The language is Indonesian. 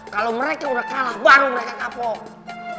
kalo mereka udah kalah baru mereka kapok